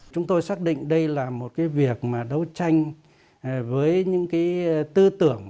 chúng tôi xác định đây là một việc đấu tranh với những tư tưởng